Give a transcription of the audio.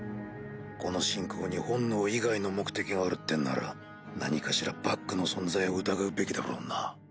この侵攻に本能以外の目的があるってんなら何かしらバックの存在を疑うべきだろうな。